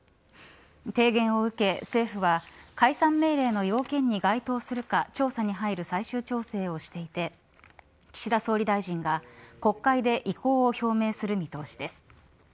提言を受け政府は解散命令の要件に該当するか調査に入る最終調整をしていて岸田総理大臣が国会で意向を表明する見通しです。